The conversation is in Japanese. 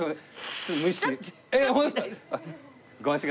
ちょっと無意識に。